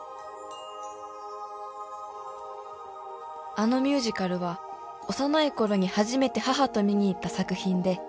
「あのミュージカルは幼い頃に初めて母と見に行った作品で」